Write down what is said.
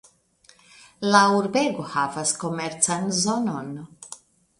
La urbego havas komercan zonon.